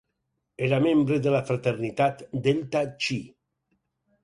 Era membre de la fraternitat Delta Chi.